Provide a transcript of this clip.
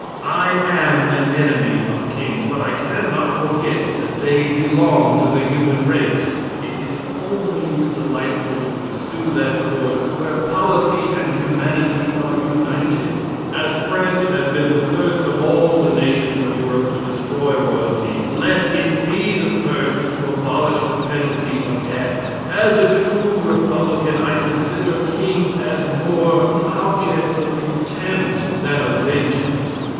I am an enemy of kings, but I can not forget that they belong to the human race. It is always delightful to pursue that course where policy and humanity are united. As France has been the first of all the nations of Europe to destroy royalty, let it be the first to abolish the penalty of death. As a true republican, I consider kings as more the objects of contempt than of vengeance."